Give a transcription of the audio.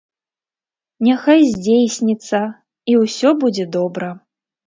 Няхай здзейсніцца, і ўсё будзе добра.